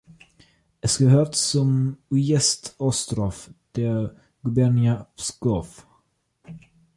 Es gehörte zum Ujesd Ostrow der Gubernija Pskow.